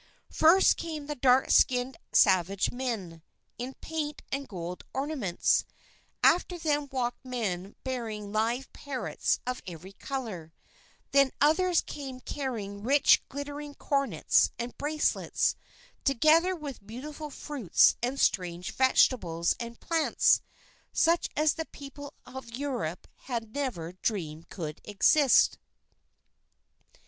First came the dark skinned savage men, in paint and gold ornaments; after them walked men bearing live parrots of every colour; then others came carrying rich glittering coronets and bracelets, together with beautiful fruits and strange vegetables and plants, such as the people of Europe had never dreamed could exist.